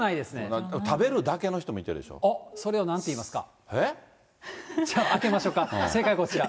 食べるだけの人もいてるでしおっ、それをなんていいますか。